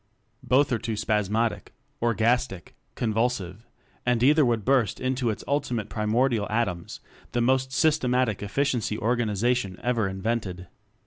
Both are too spasmodic, orgastic, con vulsive; and either would burst into its ultimate primordial atoms the most systematic efficiency organization ever invented.